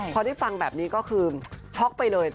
พอได้ฟังแบบนี้ก็คือช็อกไปเลย